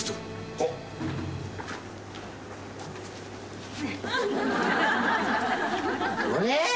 あれ！？